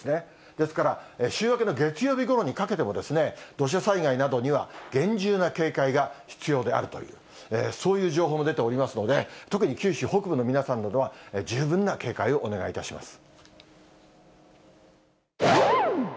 ですから、週明けの月曜日ごろにかけても、土砂災害などには厳重な警戒が必要であるという、そういう情報も出ておりますので、特に九州北部の皆さんなどは、十分な警戒をお願いいたします。